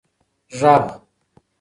ږغ